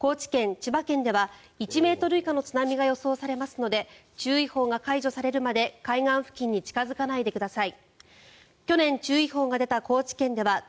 千葉県では１ｍ以下の津波が予想されますので注意報が解除されるまで海岸付近に近付かないでください。